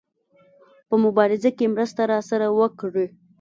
په مبارزه کې مرسته راسره وکړي.